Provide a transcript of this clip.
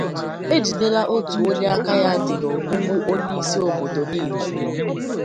E Jidela Otu Onye Aka Ya Dị n'Ogbugbu Onyeisi Obodo Nimo